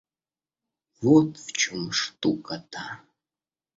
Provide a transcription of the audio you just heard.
Вот в чем штука-то.